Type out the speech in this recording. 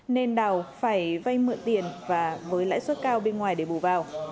nên đào phải vay mượn tiền và với lãi suất cao bên ngoài để bù vào